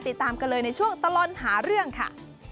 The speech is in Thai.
ติดตามกันเลยในช่วงตลอดหาเรื่องค่ะ